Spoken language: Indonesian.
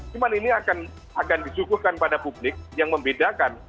cuma ini akan disuguhkan pada publik yang membedakan